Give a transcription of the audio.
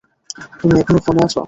তুমি এখনও ফোনে আছ?